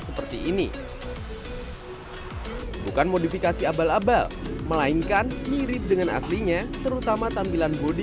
seperti ini bukan modifikasi abal abal melainkan mirip dengan aslinya terutama tampilan bodi